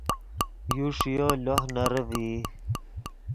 یو ݰییو لوہ نرے ڤئی